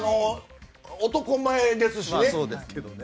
男前ですしね。